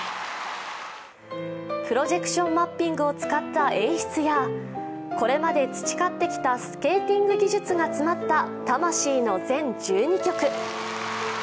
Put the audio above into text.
プロジェクションマッピングを使った演出やこれまで培ってきたスケーティング技術が詰まった魂の全１２曲。